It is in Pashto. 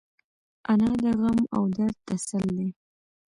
انا د غم او درد تسل ده